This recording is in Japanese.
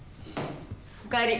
おかえり。